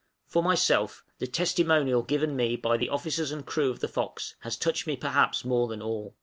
For myself the testimonial given me by the officers and crew of the 'Fox' has touched me perhaps more than all.